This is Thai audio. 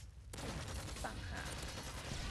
ต่างหาก